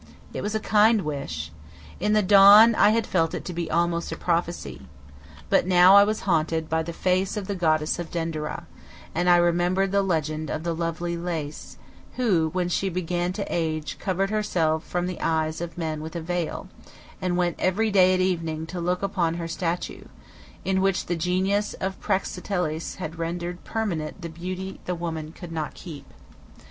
It was a kindly wish. In the dawn I had felt it to be almost a prophecy. But now I was haunted by the face of the goddess of Denderah, and I remembered the legend of the lovely Lais, who, when she began to age, covered herself from the eyes of men with a veil, and went every day at evening to look upon her statue, in which the genius of Praxiteles had rendered permanent the beauty the woman could not keep.